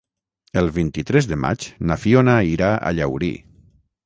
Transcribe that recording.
El vint-i-tres de maig na Fiona irà a Llaurí.